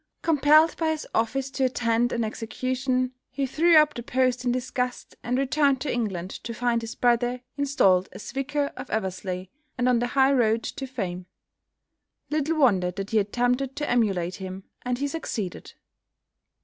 Compelled by his office to attend an execution, he threw up the post in disgust, and returned to England to find his brother installed as Vicar of Eversley and on the high road to fame. Little wonder that he attempted to emulate him, and he succeeded.